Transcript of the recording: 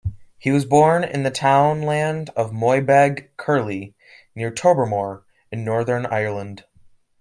He was born in the townland of Moybeg Kirley near Tobermore in Northern Ireland.